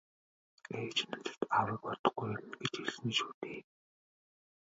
- Ээж надад аавыг удахгүй ирнэ гэж хэлсэн шүү дээ.